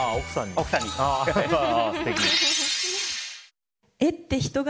奥さんにです。